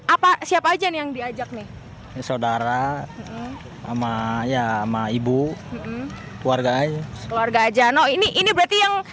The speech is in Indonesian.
apa siapa aja yang diajak nih saudara ama ya ama ibu keluarga keluarga jano ini ini berarti yang